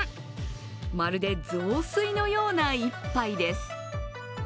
まるで雑炊のような一杯です。